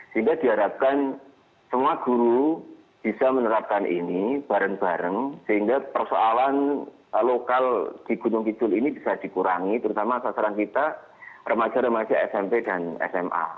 sehingga diharapkan semua guru bisa menerapkan ini bareng bareng sehingga persoalan lokal di gunung kidul ini bisa dikurangi terutama sasaran kita remaja remaja smp dan sma